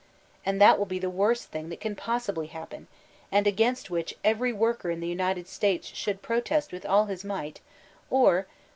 And that win be the worst thing that can possibly happen, and against which every worker in the United States should protest with all his might ; or 3.